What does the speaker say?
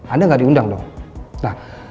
anda gak diundang dong